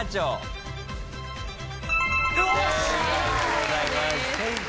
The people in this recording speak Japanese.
正解でございます。